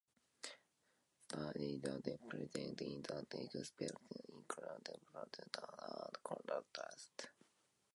Stylistic devices present in the extract include parallelism, antithesis, and contrast.